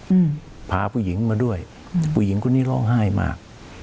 อืมพาผู้หญิงมาด้วยอืมผู้หญิงคนนี้ร้องไห้มาก